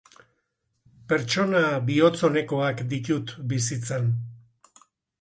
Pertsona bihotz-onekoak ditut bizitzan.